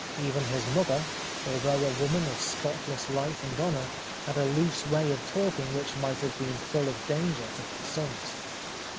Even his mother, although a woman of spotless life and honour, had a loose way of talking which might have been full of danger to her sons.